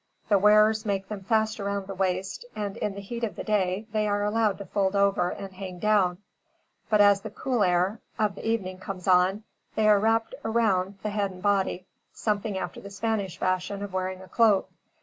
The wearers make them fast around the waist, and, in the heat of the day, they are allowed to fold over and hang down; but, as the cool air of the evening comes on, they are wrapped around the head and body, something after the Spanish fashion of wearing a cloak.